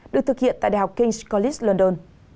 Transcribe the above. được thực hiện tại đại học king s college london